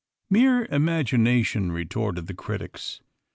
Mere imagination, retorted the critics.